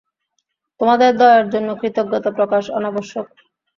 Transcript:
তোমাদের দয়ার জন্য কৃতজ্ঞতা-প্রকাশ অনাবশ্যক।